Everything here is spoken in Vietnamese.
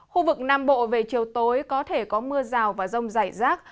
khu vực nam bộ về chiều tối có thể có mưa rào và rông dày rác